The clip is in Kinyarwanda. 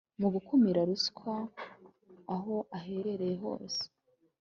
mu gukumira ruswa aho aherereye hose